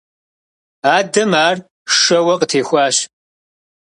Адэм ар шэуэ къытехуащ.